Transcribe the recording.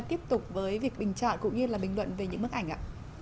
tiếp tục với việc bình chọn cũng như là bình luận về những bức ảnh ạ